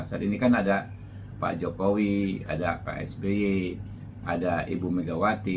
saat ini kan ada pak jokowi ada pak sby ada ibu megawati